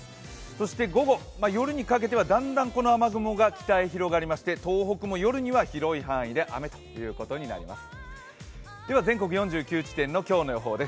そして午後、夜にかけてはだんだんこの雨雲が北へ広がりまして、東北も夜には広い範囲で雨ということになります。